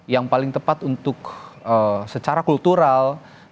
yang paling tepat untuk secara kultural